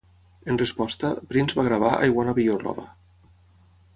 En resposta, Prince va gravar I Wanna Be Your Lover.